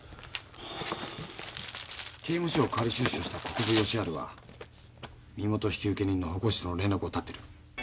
刑務所を仮出所した国府吉春は身元引受人の保護司との連絡を絶ってる。